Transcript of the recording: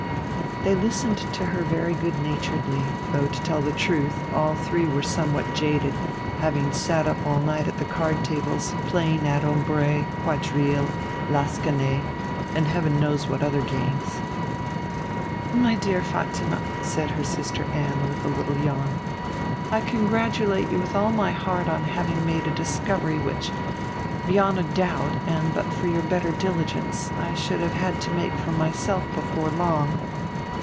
They listened to her very good naturedly; though, to tell the truth, all three were somewhat jaded, having sat up all night at the card tables, playing at ombre, quadrille, lasquenet; and Heaven knows what other games. 'My dear Fatima,' said her sister Anne with a little yawn, 'I congratulate you with all my heart on having made a discovery which, beyond a doubt and but for your better diligence, I should have had to make for myself before long.'